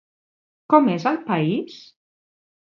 Com és el país?